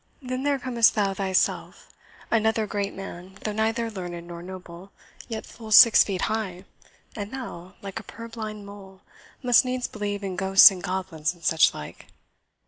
Then here comest thou thyself, another great man, though neither learned nor noble, yet full six feet high, and thou, like a purblind mole, must needs believe in ghosts and goblins, and such like.